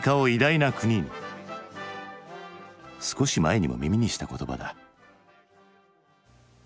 少し前にも耳にした言葉だ。